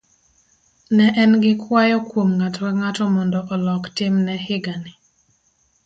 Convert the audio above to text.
Ne en gi kwayo kuom ng'ato ka ng'ato mondo olok timne higani.